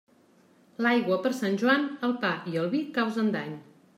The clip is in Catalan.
L'aigua per Sant Joan, al pa i al vi causen dany.